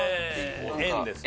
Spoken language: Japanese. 縁ですよね。